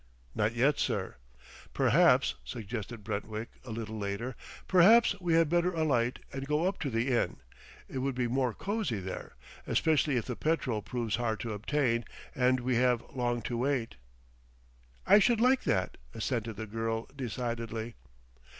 "Not yet, sir." "Perhaps," suggested Brentwick a little later, "perhaps we had better alight and go up to the inn. It would be more cosy there, especially if the petrol proves hard to obtain, and we have long to wait." "I should like that," assented the girl decidedly.